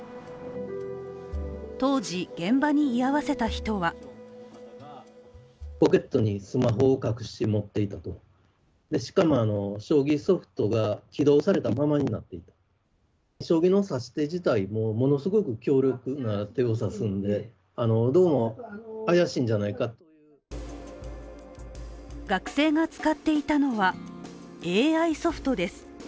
当時、現場に居合わせた人は学生が使っていたのはＡＩソフトです。